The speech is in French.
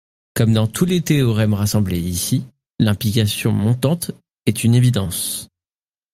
Comme dans tous les théorèmes rassemblés ici, l'implication montante est une évidence.